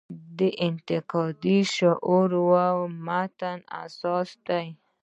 د انتقادي شعور و متن اساس دی.